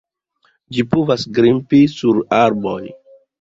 Ĝi povas grimpi sur arboj.